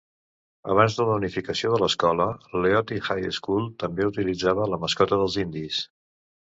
Abans de la unificació de l'escola, Leoti High School també utilitzava la mascota dels indis.